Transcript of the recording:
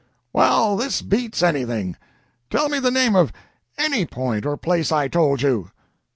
"Well, this beats anything! Tell me the name of any point or place I told you."